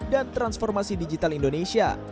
dan transformasi digital indonesia